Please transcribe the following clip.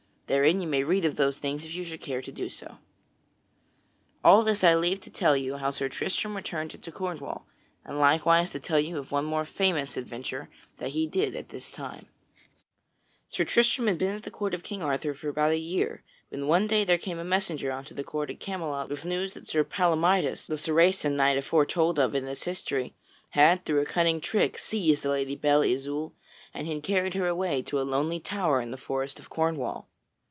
Therein you may read of those things if you should care to do so. All this I leave to tell you how Sir Tristram returned into Cornwall, and likewise to tell you of one more famous adventure that he did at this time. [Sidenote: Sir Tristram hears from Cornwall of Sir Palamydes] Sir Tristram had been at the court of King Arthur for about a year when one day there came a messenger unto the court at Camelot with news that Sir Palamydes, the Saracen knight aforetold of in this history, had through a cunning trick seized the Lady Belle Isoult and had carried her away to a lonely tower in the forest of Cornwall.